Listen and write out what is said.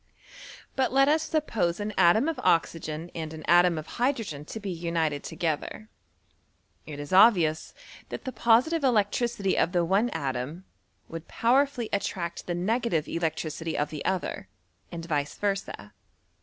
But let us suppose an atom of oxygen and an atom cf hydrogen to be united together, it is obvious that the positive electricity of the one atom would power ittlly attract the negative electricity of the other, and vice versd.